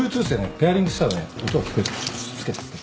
ペアリングしたらね音が聞こえて着けて着けて。